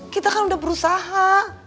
kita kan udah berusaha